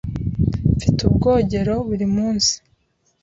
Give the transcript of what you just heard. Mfite ubwogero buri munsi.